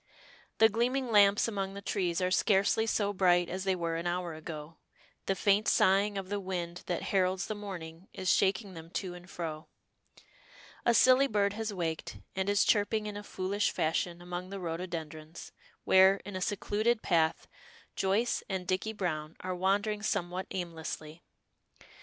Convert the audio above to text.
The gleaming lamps among the trees are scarcely so bright as they were an hour ago, the faint sighing of the wind that heralds the morning is shaking them to and fro. A silly bird has waked, and is chirping in a foolish fashion among the rhododendrons, where, in a secluded path, Joyce and Dicky Browne are wandering somewhat aimlessly.